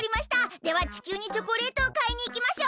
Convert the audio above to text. では地球にチョコレートをかいにいきましょう！